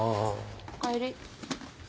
おかえり。